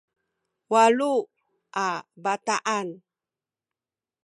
walu a bataan